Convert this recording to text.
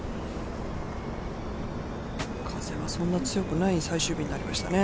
風はそんなに強くない最終日になりましたね。